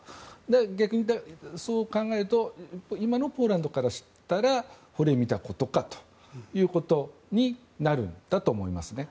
逆に、そう考えると今のポーランドからしたらほれ見たことかということになるんだと思いますね。